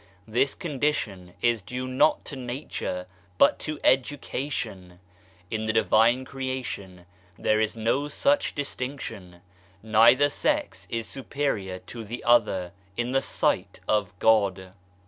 This condition is due not to Nature, but to education. In the Divine Creation there is no such distinction. Neither sex is superior to the other in the sight of God.